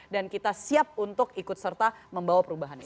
dan kita siap untuk ikut serta membawa perubahan itu